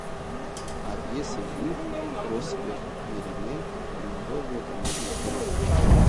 Апиеса иҩуп Проспер Мериме иновеллак амотивқәа рыла.